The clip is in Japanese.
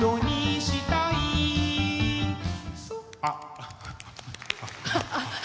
あっ。